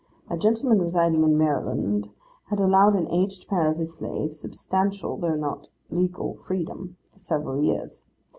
A gentleman residing in Maryland had allowed an aged pair of his slaves, substantial though not legal freedom for several years.